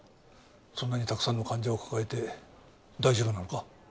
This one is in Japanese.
そんなにたくさんの患者を抱えて大丈夫なのか？